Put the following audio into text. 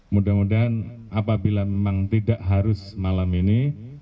mudah mudahan apabila memang tidak harus malam ini